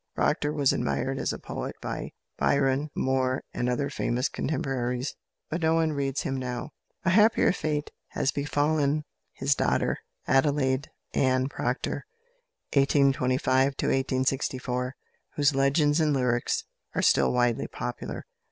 Procter was admired as a poet by Byron, Moore, and other famous contemporaries, but no one reads him now. A happier fate has befallen his daughter, =Adelaide Anne Procter (1825 1864)=, whose "Legends and Lyrics" are still widely popular.